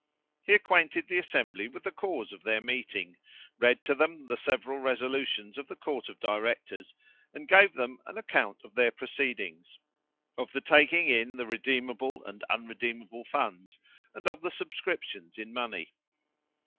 He acquainted the assembly with the cause of their meeting; read to them the several resolutions of the court of directors, and gave them an account of their proceedings; of the taking in the redeemable and unredeemable funds, and of the subscriptions in money.